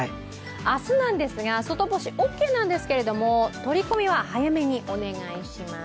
明日ですが、外干しオーケーなんですけど取り込みは早めにお願いします。